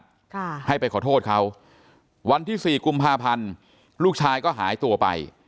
ค่ะให้ไปขอโทษเขาวันที่สี่กุมภาพันธ์ลูกชายก็หายตัวไป